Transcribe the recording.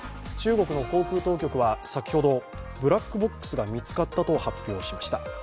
中国の航空当局は先ほどブラックボックスが見つかったと発表しました。